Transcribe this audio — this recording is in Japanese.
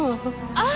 ああ！